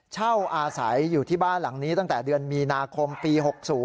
เช่าอาศัยอยู่ที่บ้านหลังนี้ตั้งแต่เดือนมีนาคมปี๖๐